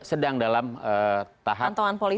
sedang dalam tahap